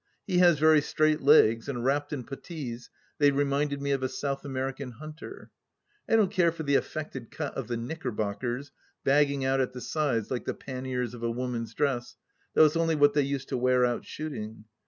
He has very straight legs, and wrapped in puttees they reminded me of a South American hunter. I don't care for the affected cut of the knickerbockers, bagging out at the sides like the panniers of a woman's dress, though it's only what they used to wear out shooting.